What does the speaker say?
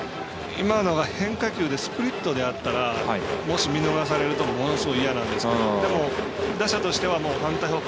今のが変化球でスプリットであったらもし、見逃されるとものすごい嫌なんですけどでも、打者としては反対方向